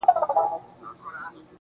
د کلي حوري په ټول کلي کي لمبې جوړي کړې,